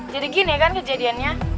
jadi gini kan kejadiannya